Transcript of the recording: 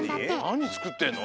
なにつくってるの？